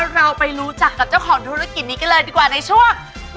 เราไปรู้จักกับเจ้าของธุรกิจนี้กันเลยดีกว่าในช่วง